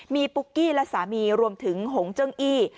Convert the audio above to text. มีปุ๊กกี้และสามีรวมถึงหงเจิ้งอี้